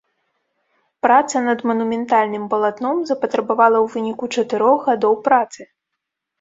Праца над манументальным палатном запатрабавала ў выніку чатырох гадоў працы.